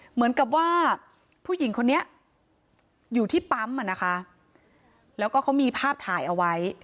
เหมือนกับว่าผู้หญิงคนนี้อยู่ที่ปั๊มอ่ะนะคะแล้วก็เขามีภาพถ่ายเอาไว้